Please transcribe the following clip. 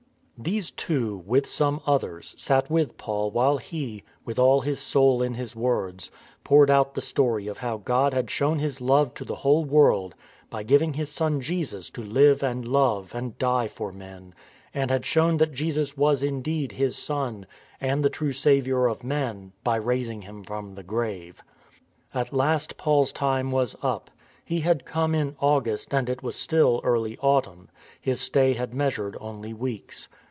These two, with some others, sat with Paul while he, with all his soul in his words, poured out the story of how God had shown His love to the whole world by giving His Son Jesus to live and love and die for men, and had shown that Jesus was indeed His Son and the true Saviour of men by raising Him from the grave. 'At last Paul's time was up. He had come in August, and it was still early autumn: his stay had measured only weeks.